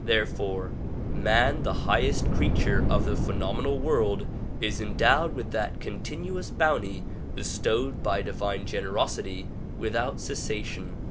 Therefore man the highest creature of the phenom enal world is endowed with that continuous bounty bestowed by divine generosity without cessation.